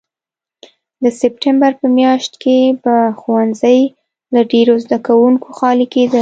د سپټمبر په میاشت کې به ښوونځي له ډېرو زده کوونکو خالي کېدل.